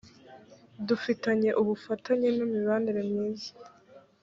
dufitanye ubufatanye n imibanire myiza.